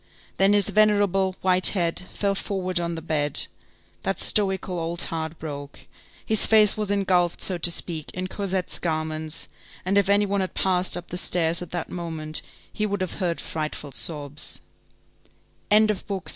Then his venerable, white head fell forward on the bed, that stoical old heart broke, his face was engulfed, so to speak, in Cosette's garments, and if any one had passed up the stairs at that moment, he would have heard frightful sobs.